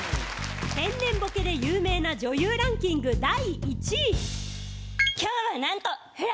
・天然ボケで有名な女優ランキング第１位・モノマネ